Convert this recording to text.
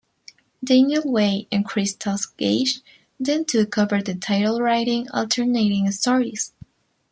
Daniel Way and Christos Gage then took over the title writing alternating stories.